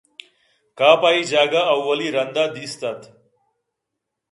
کاف ءَ اے جاگہ اولی رندا دیست اَت